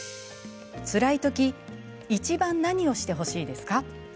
つらいときいちばん何をしてほしいですか？